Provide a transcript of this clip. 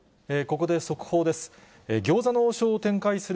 ここで速報です。